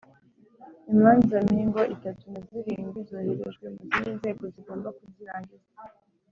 imanza mingo itatu na zirindwi zoherejwe mu zindi nzego zigomba kuzirangiza.